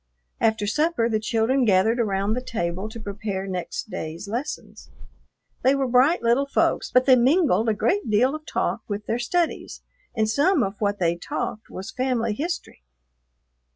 After supper the children gathered around the table to prepare next day's lessons. They were bright little folks, but they mingled a great deal of talk with their studies and some of what they talked was family history.